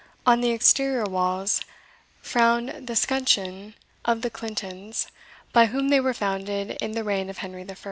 On the exterior walls frowned the scutcheon of the Clintons, by whom they were founded in the reign of Henry I.